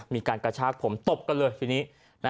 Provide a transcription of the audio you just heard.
มีการกระชากผมตบกันเลยทีนี้